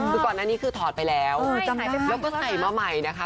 คือก่อนหน้านี้คือถอดไปแล้วแล้วก็ใส่มาใหม่นะคะ